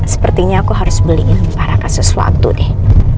sepertinya aku harus beliin para kasus waktu deh